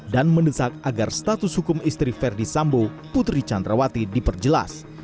dan mendesak agar status hukum istri verdi sambo putri candrawati diperjelas